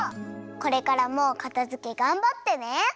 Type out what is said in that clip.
これからもかたづけがんばってね。